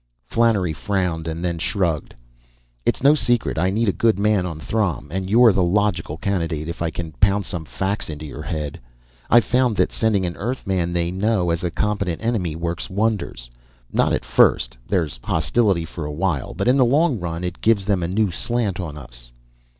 Flannery frowned, and then shrugged. "It's no secret I need a good man on Throm, and you're the logical candidate, if I can pound some facts into your head. I've found that sending an Earthman they know as a competent enemy works wonders. Not at first there's hostility for a while but in the long run it gives them a new slant on us."